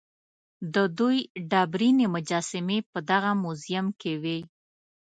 د دوی ډبرینې مجسمې په دغه موزیم کې وې.